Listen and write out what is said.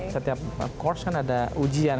setiap kors kan ada ujian